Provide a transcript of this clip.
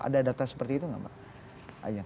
ada data seperti itu nggak mbak